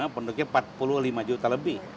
penduduknya empat puluh lima juta lebih